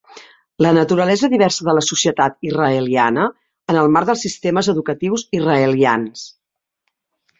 La naturalesa diversa de la societat israeliana en el marc dels sistemes educatius israelians.